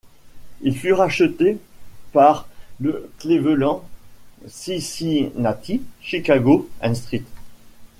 Il fut racheté par le Cleveland, Cincinnati, Chicago and St.